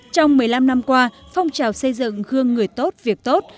trong một mươi năm năm qua phong trào xây dựng gương người tốt việc tốt